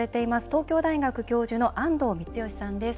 東京大学教授の安藤光義さんです。